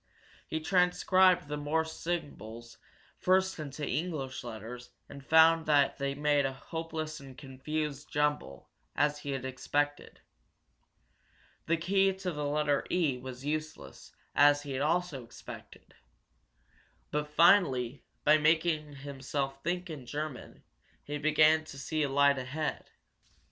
He transcribed the Morse symbols first into English letters and found they made a hopeless and confused jumble, as he had expected. The key to the letter E was useless, as he had also expected. But finally, by making himself think in German, he began to see a light ahead.